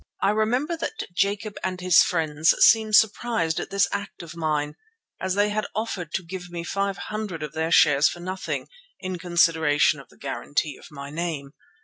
I remember that Jacob and his friends seemed surprised at this act of mine, as they had offered to give me five hundred of their shares for nothing "in consideration of the guarantee of my name."